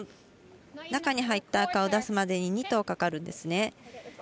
中に入った赤を出すまでに２投かかるんですね。